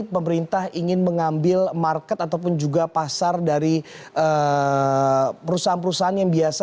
pemerintah ingin mengambil market ataupun juga pasar dari perusahaan perusahaan yang biasa